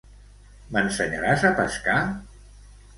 M'ensenyaràs a pescar?